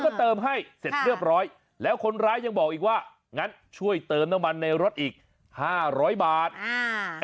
ก็เติมให้เสร็จเรียบร้อยแล้วคนร้ายยังบอกอีกว่างั้นช่วยเติมน้ำมันในรถอีกห้าร้อยบาทอ่า